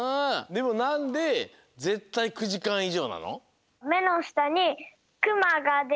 でもなんでぜったい９じかんいじょうなの？